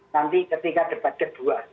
nanti ketika debat kedua